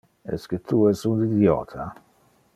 Esque tu es un idiota?